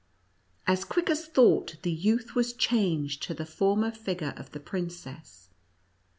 As quick as thought, the youth was changed to the former figure of the princess.